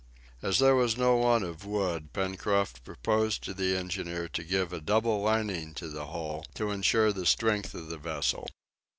As there was no want of wood, Pencroft proposed to the engineer to give a double lining to the hull, to insure the strength of the vessel.